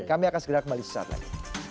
kami akan segera kembali sesaat lagi